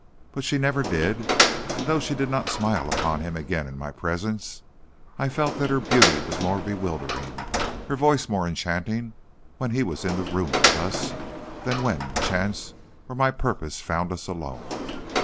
But she never did, and though she did not smile upon him again in my presence, I felt that her beauty was more bewildering, her voice more enchanting, when he was in the room with us than when chance or my purpose found us alone.